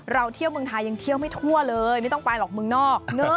เที่ยวเมืองไทยยังเที่ยวไม่ทั่วเลยไม่ต้องไปหรอกเมืองนอก